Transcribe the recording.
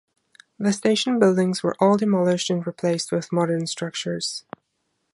The station buildings were all demolished and replaced with modern structures.